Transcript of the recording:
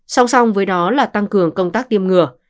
song song với đó là tăng cường công tác tiêm ngừa